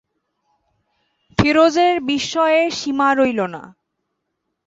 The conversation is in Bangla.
ফিরোজের বিস্ময়ের সীমা রইল না।